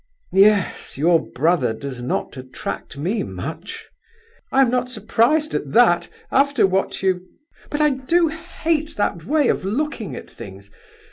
"Yes, your brother does not attract me much." "I am not surprised at that. After what you... But I do hate that way of looking at things!